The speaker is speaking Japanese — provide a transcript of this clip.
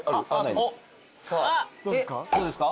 どうですか？